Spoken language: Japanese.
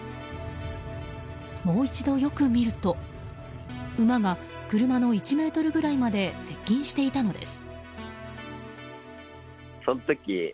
もう一度よく見ると馬が、車の１ｍぐらいまで接近していたのです。